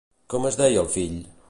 Com es deia el fill?